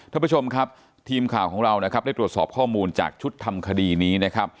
ท่านผู้ชมครับทีมข่าวของเรานะครับได้ตรวจสอบข้อมูลจากชุดทำคดีนี้นะครับ